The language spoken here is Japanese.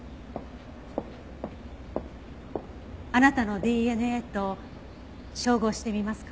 あなたのＤＮＡと照合してみますか？